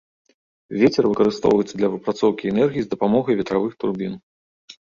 Вецер выкарыстоўваецца для выпрацоўкі энергіі з дапамогай ветравых турбін.